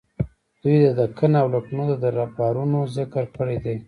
دوی د دکن او لکنهو د دربارونو ذکر کړی دی.